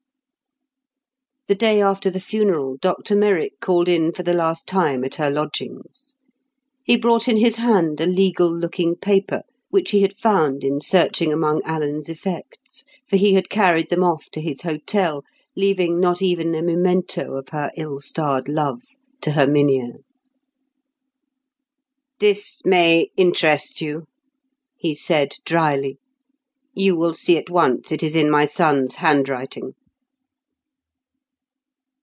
The day after the funeral, Dr Merrick called in for the last time at her lodgings. He brought in his hand a legal looking paper, which he had found in searching among Alan's effects, for he had carried them off to his hotel, leaving not even a memento of her ill starred love to Herminia. "This may interest you," he said dryly. "You will see at once it is in my son's handwriting."